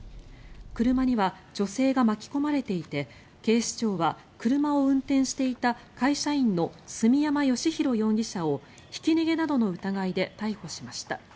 車には女性が巻き込まれていて警視庁は、車を運転していた会社員の住山禎宏容疑者をひき逃げなどの疑いで逮捕しました。